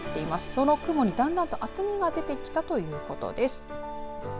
その雲にだんだんと厚みが出てきたということです。